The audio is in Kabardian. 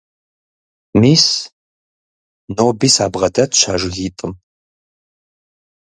Мис, ноби сабгъэдэтщ а жыгитӀым.